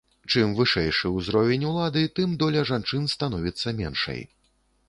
Чым вышэйшы ўзровень улады, тым доля жанчын становіцца меншай.